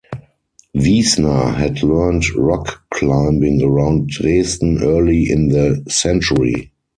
Wiessner had learned rock climbing around Dresden early in the century.